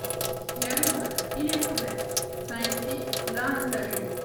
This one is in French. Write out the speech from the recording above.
L'air est bon, il est mauvais ; sain ici, là insalubre.